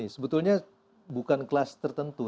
sebetulnya bukan kelas tertentu